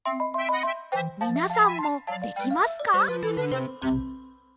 みなさんもできますか？